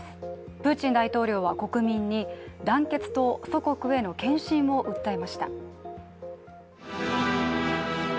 プーチン大統領は国民に団結と祖国への献身を訴えました。